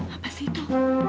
apa sih itu